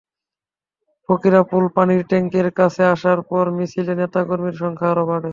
ফকিরাপুল পানির ট্যাংকের কাছে আসার পর মিছিলে নেতা কর্মীর সংখ্যা আরও বাড়ে।